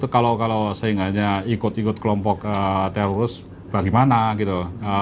kalau ikut ikut kelompok terorisme bagaimana gitu